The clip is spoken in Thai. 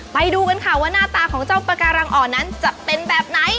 ไปดูกันค่ะว่าหน้าตาของเจ้าปาการังอ่อนนั้นจะเป็นแบบไหน